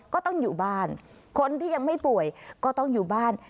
ก็ต้องอยู่บ้านคนที่ยังไม่ป่วยก็ต้องอยู่บ้าน